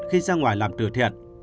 khi ra ngoài làm từ thiện